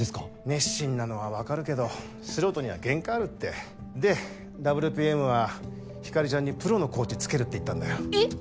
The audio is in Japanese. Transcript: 熱心なのは分かるけど素人には限界あるってでＷＰＭはひかりちゃんにプロのコーチつけるって言ったんだよえっ！